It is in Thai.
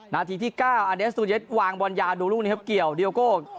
นาทีที่๙อาเดสตูเยสวางบอลยาวดูลูกนี้ครับเกี่ยวดีโอโก้